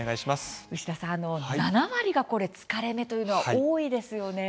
牛田さん、７割が疲れ目というのは多いですよね。